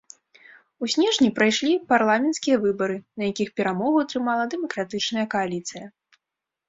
У снежні прайшлі парламенцкія выбары, на якіх перамогу атрымала дэмакратычная кааліцыя.